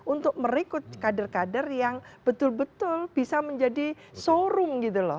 untuk merekrut kader kader yang betul betul bisa menjadi showroom gitu loh